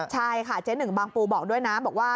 ใช่ค่ะเจ๊หนึ่งบางปูบอกด้วยนะบอกว่า